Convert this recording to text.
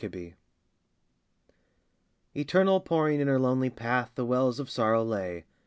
DEMETER Eternal pouring in her lonely path The wells of sorrow lay.